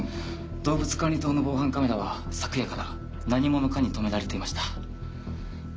動物管理棟の防犯カメラは昨夜から何者かに止められていました。